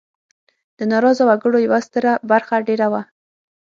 د ناراضه وګړو یوه ستره برخه دېره وه.